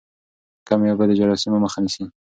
کمې اوبه د جراثیمو مخه نیسي.